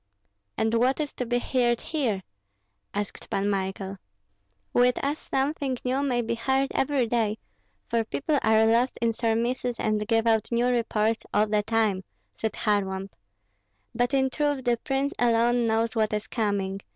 "And what is to be heard here?" asked Pan Michael. "With us something new may be heard every day, for people are lost in surmises and give out new reports all the time," said Kharlamp. "But in truth the prince alone knows what is coming.